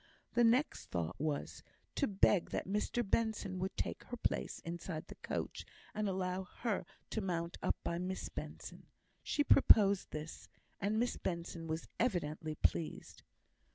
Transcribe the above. The next thought was, to beg that Mr Benson would take her place inside the coach, and allow her to mount up by Miss Benson. She proposed this, and Miss Benson was evidently pleased.